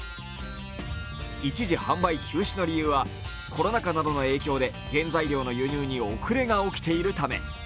一時販売休止の理由はコロナ禍などの影響で原材料の輸入に後れが起きているため。